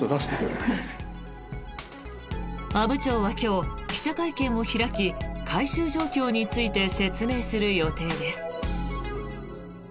阿武町は今日記者会見を開き回収状況について説明する予定です。